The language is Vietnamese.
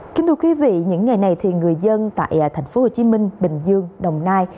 kính thưa quý vị những ngày này thì người dân tại thành phố hồ chí minh bình dương đồng nai